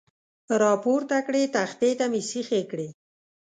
را پورته کړې، تختې ته مې سیخې کړې.